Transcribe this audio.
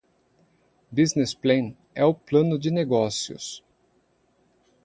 Business Plan é o plano de negócios.